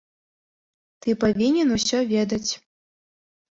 Ты павінен усё ведаць.